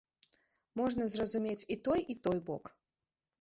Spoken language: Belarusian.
Можна зразумець і той, і той бок.